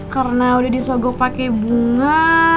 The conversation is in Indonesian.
karena udah disogok pake bunga